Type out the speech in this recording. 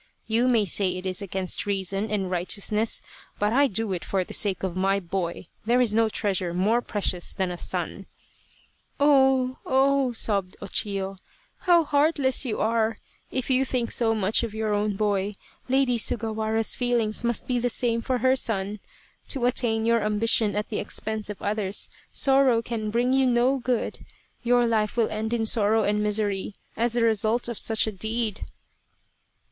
You may say it is against reason and righteousness, but I do it for the sake of my boy there is no treasure more precious than a son." " Oh ! oh !" sobbed O Chiyo, " how heartless you are ! If you think so much of your own boy, Lady Sugawara's feelings must be the same for her son. To attain your ambition at the expense of others, sorrow can bring you no good. Your life will end in sorrow and misery as the result of such a deed."